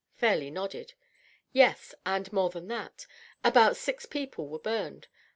Fairleigh nodded. "Yes. And more than that. About six people were burned.